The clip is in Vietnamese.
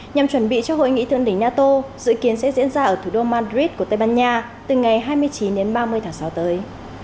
nhằm chuẩn bị cho hội nghị thượng đỉnh nato dự kiến sẽ diễn ra ở thủ đô madrid của tây ban nha từ ngày hai mươi chín đến ba mươi tháng sáu tới